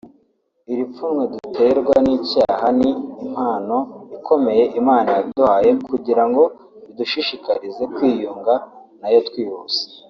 Iri pfunwe duterwa n’icyaha ni impano ikomeye Imana yaduhaye kugira ngo bidushishikarize kwiyunga nayo twihuse